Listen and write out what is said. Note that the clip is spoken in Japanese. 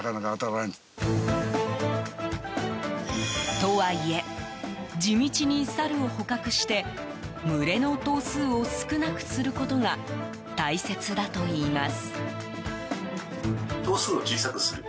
とはいえ地道にサルを捕獲して群れの頭数を少なくすることが大切だといいます。